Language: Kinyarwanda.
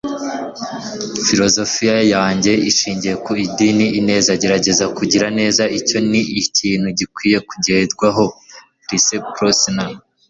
filozofiya yanjye ishingiye ku idini ni ineza. gerageza kugira neza. icyo ni ikintu gikwiye kugerwaho. - pierce brosnan